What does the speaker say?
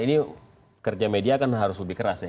ini kerja media kan harus lebih keras ya